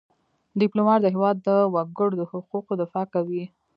ډيپلومات د هېواد د وګړو د حقوقو دفاع کوي .